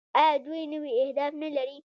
آیا دوی نوي اهداف نلري؟